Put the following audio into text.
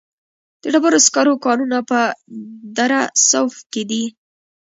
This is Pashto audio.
د ډبرو سکرو کانونه په دره صوف کې دي